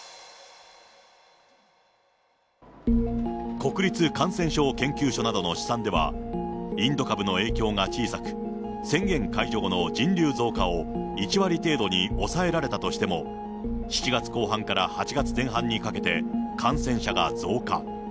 国立感染症研究所などの試算では、インド株の影響が小さく、宣言解除後の人流増加を１割程度に抑えられたとしても、７月後半から８月前半にかけて、感染者が増加。